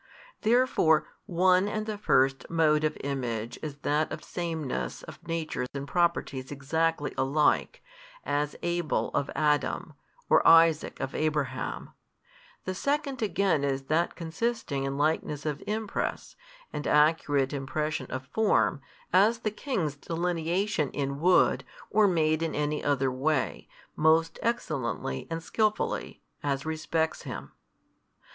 Therefore one and the first mode of image is that of sameness of nature in properties exactly alike, as Abel of Adam, or Isaac of Abraham: the second again is that consisting in likeness of impress, and accurate impression of form, as the King's delineation in wood, or made in any other way, most excellently and skilfully, as respects him.